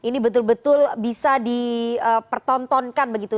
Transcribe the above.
ini betul betul bisa di pertontonkan begitu